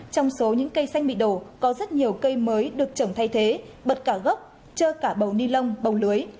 trong số những cây xanh bị đổ có rất nhiều cây mới được trồng thay thế bật cả gốc trơ cả bầu ni lông bầu lưới